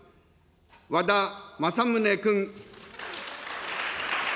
和田政宗君。